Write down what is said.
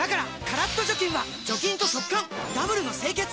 カラッと除菌は除菌と速乾ダブルの清潔！